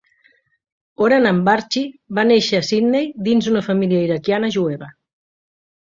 Oren Ambarchi va néixer a Sidney dins una família iraquiana jueva.